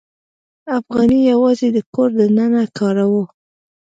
افغانۍ یوازې د کور دننه کاروو.